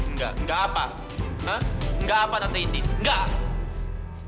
nggak apa nggak apa tante indy nggak